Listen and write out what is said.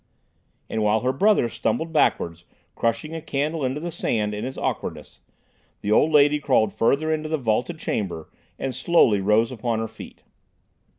And while her brother stumbled backwards, crushing a candle into the sand in his awkwardness, the old lady crawled farther into the vaulted chamber and slowly rose upon her feet.